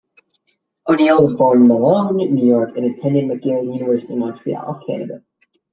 O'Neill was born in Malone, New York and attended McGill University in Montreal, Canada.